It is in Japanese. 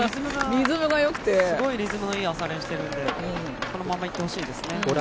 すごいリズムのいい朝練をしてるのでこのまま頑張ってほしいですね。